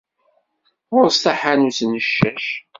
Ɣur-s taḥanut n ccac,.